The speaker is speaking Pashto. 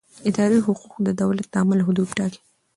اداري حقوق د دولت د عمل حدود ټاکي.